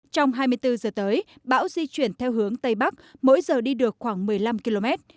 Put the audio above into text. trong hai mươi bốn giờ tới bão di chuyển theo hướng tây bắc mỗi giờ đi được khoảng một mươi năm km